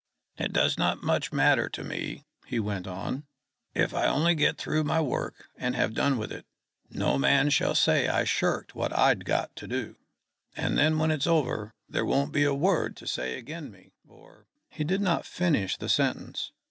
"It does not much matter to me," he went on, "if I only get through my work and have done with it. No man shall say I shirked what I'd got to do. And then when it's over there won't be a word to say agen me, or " He did not finish the sentence.